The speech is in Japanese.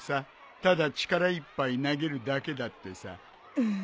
ただ力いっぱい投げるだけだってさ。